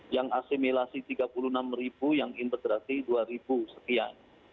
yang asimilasi tiga puluh enam ribu yang integrasi dua ribu sekian